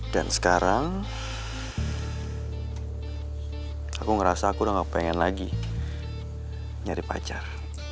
dan sekarang aku ngerasa aku udah gak pengen lagi nyari pacar